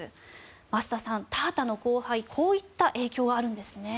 増田さん、田畑の荒廃こういった影響があるんですね。